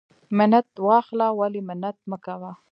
ـ منت واخله ولی منت مکوه.